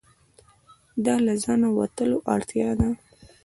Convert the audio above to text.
دا له ځانه وتلو اړتیا ده.